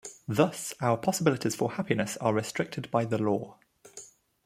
Thus our possibilities for happiness are restricted by the law.